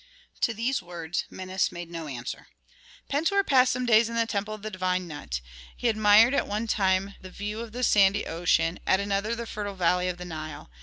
To these words Menes made no answer. Pentuer passed some days in the temple of the divine Nut; he admired at one time the view of the sandy ocean, at another the fertile valley of the Nile.